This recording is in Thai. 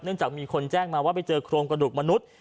จากมีคนแจ้งมาว่าไปเจอโครงกระดูกมนุษย์